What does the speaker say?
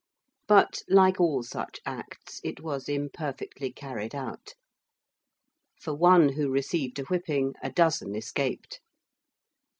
But like all such acts it was imperfectly carried out. For one who received a whipping a dozen escaped.